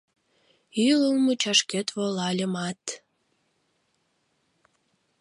Ӱлыл мучашкет волальымат